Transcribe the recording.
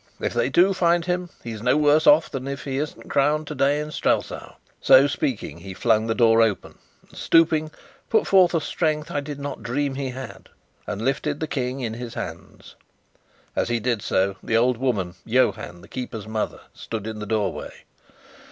If they do find him, he's no worse off than if he isn't crowned today in Strelsau." So speaking, he flung the door open and, stooping, put forth a strength I did not dream he had, and lifted the King in his hands. And as he did so, the old woman, Johann the keeper's mother, stood in the doorway.